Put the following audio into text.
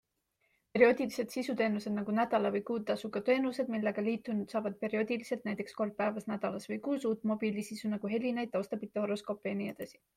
Perioodilised sisuteenused on nädala- või kuutasuga teenused, millega liitunud saavad perioodiliselt, näiteks kord päevas, nädalas või kuus uut mobiilisisu nagu helinaid, taustapilte, horoskoope jne.